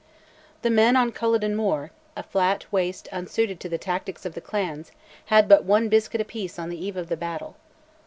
The men on Culloden Moor, a flat waste unsuited to the tactics of the clans, had but one biscuit apiece on the eve of the battle.